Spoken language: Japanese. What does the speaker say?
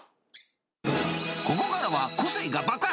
ここからは個性が爆発！